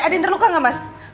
ada yang terluka nggak mas